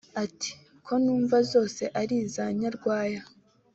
ati “Ko numva zose ari iza Nyarwaya